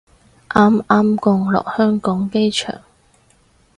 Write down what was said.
啱啱降落香港機場